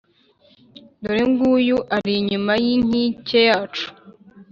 Dore nguyu ari inyuma y’inkike yacu,